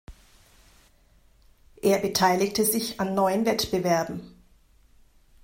Er beteiligte sich an neun Wettbewerben.